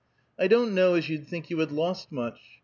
"I don't know as you'd think you had lost much.